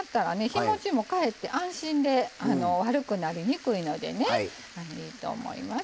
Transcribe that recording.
日もちもかえって安心で悪くなりにくいのでねいいと思います。